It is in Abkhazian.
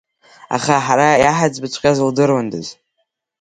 Аха ҳара иаҳаӡбыҵәҟьаз лдыруандаз…